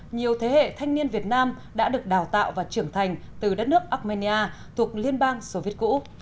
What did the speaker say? nhiều thế hệ thanh niên việt nam đã được đào tạo và trưởng thành từ đất nước armenia thuộc liên bang soviet cũ